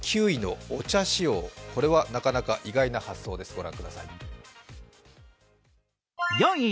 ９位の「お茶しよう」は、なかなか意外な発想です。